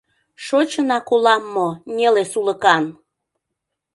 Шочынак улам мо Неле сулыкан?